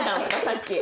さっき。